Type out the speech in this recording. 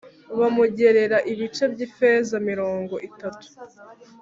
Bamugerera ibice by’ifeza mirongo itatu